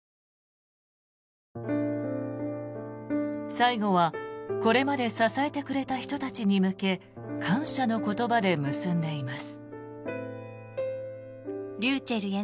最後はこれまで支えてくれた人たちに向け感謝の言葉で結んでいます。